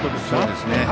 そうですね。